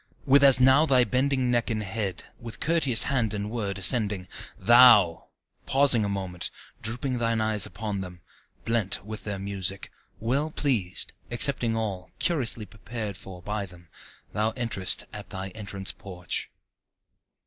with as now thy bending neck and head, with courteous hand and word, ascending, Thou! pausing a moment, drooping thine eyes upon them, blent with their music, Well pleased, accepting all, curiously prepared for by them, Thou enterest at thy entrance porch.